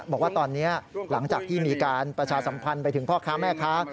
บอกว่าตอนนี้หลังจากที่มีการประชาสัมพันธ์ไปถึงพ่อค้าแม่ค้า